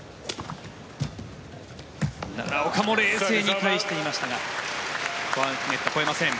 奈良岡も冷静に返していましたがここはネットを越えません。